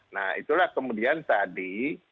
nah itulah kemudian tadi